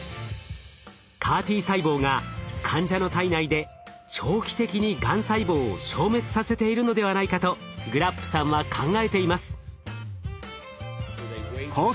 ＣＡＲ−Ｔ細胞が患者の体内で長期的にがん細胞を消滅させているのではないかとグラップさんは考えています。